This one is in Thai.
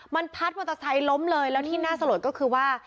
มันพัดมอเตอร์ไซค์ล้มเลยแล้วที่น่าสลดก็คือว่า